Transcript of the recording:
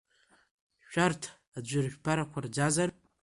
Шәарҭ аӡәыр шәԥарақәа рӡазар?